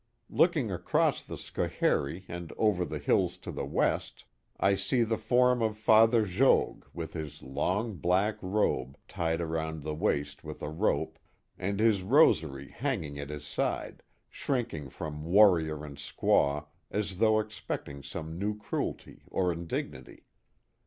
Look ing across the Schoharie and over the hills to the west, I see the form of Father Jogues, with his long, black robe, tied around the waist with a rope, and his rosary hanging at his side, shrinking from warrior and squaw as though expecting some new cruelty or indignity.